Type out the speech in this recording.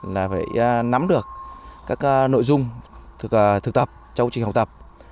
là phải nắm được các nội dung thực tập trong quá trình học tập